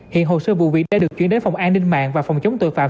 hiện hồ sơ vụ việc đã được chuyển đến phòng an ninh mạng và phòng chống tội phạm